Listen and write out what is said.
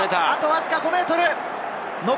あとわずか５ｍ！